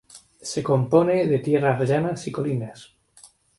Se compone de tierras llanas y colinas.